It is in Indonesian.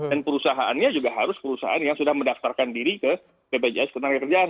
dan perusahaannya juga harus perusahaan yang sudah mendaftarkan diri ke bpjs ketenagakerjaan